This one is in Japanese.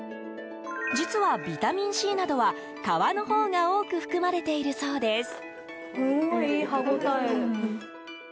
実はビタミンＣなどは皮の方が多く含まれているそうです。